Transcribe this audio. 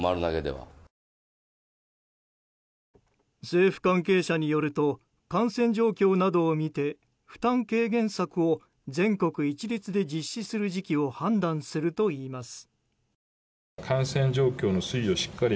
政府関係者によると感染状況などを見て負担軽減策を全国一律で実施する時期を判断するといいます。